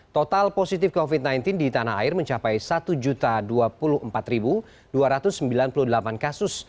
total positif covid sembilan belas di tanah air mencapai satu dua puluh empat dua ratus sembilan puluh delapan kasus